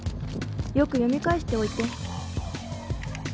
よく読み返しておいて。